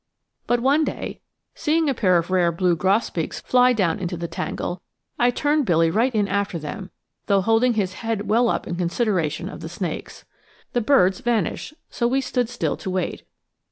But one day, seeing a pair of rare blue grosbeaks fly down into the tangle, I turned Billy right in after them, though holding his head well up in consideration of the snakes. The birds vanished, so we stood still to wait.